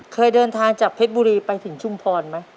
เคยเดินทางจากเพชรบุรีไปถึงชุมพรไหม